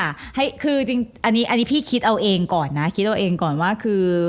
คือจริงอันนี้พี่คิดเอาเองก่อนนะคิดเอาเองก่อนว่าคือ